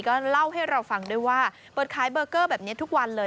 ก็เล่าให้เราฟังด้วยว่าเปิดขายเบอร์เกอร์แบบนี้ทุกวันเลย